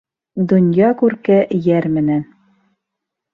Донъя күрке йәр менән.